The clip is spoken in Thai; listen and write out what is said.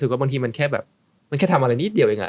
ว่าบางทีมันแค่ทำอะไรนิดเดี๋ยวเอง